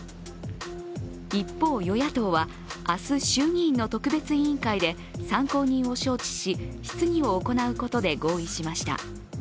一方、与野党は明日、衆議院の特別委員会で参考人を招致し質疑を行うことで合意しました。